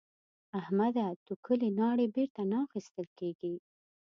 احمده؛ توکلې ناړې بېرته نه اخيستل کېږي.